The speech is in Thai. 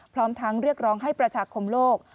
พร้อมทั้งเรียกร้องให้ประชาคมโลก